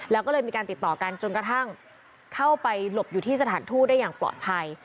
แล้วก็เลยมีการติดต่อกันจนกระทั่งเข้าไปหลบอยู่ที่สถานทูตได้อย่างปลอดภัย